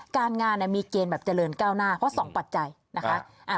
การงานมีเกณฑ์แบบเจริญก้าวหน้าเพราะ๒ปัจจัยนะคะ